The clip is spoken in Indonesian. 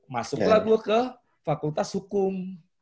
masuklah lu ke fakultas hukum